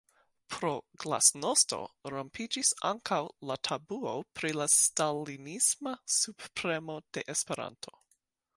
pro “glasnosto” rompiĝis ankaŭ la tabuo pri la stalinisma subpremo de Esperanto.